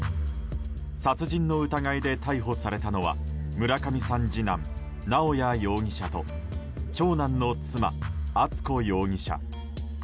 殺人の疑いで逮捕されたのは村上さん次男・直哉容疑者と長男の妻・敦子容疑者。